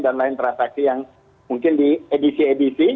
dan lain transaksi yang mungkin di edisi edisi